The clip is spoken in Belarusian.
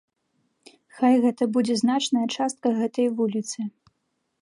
Хай гэта будзе значная частка гэтай вуліцы.